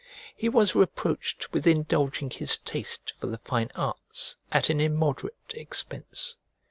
He was reproached with indulging his taste for the fine arts at an immoderate expense.